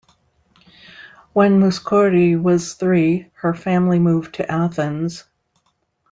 When Mouskouri was three, her family moved to Athens.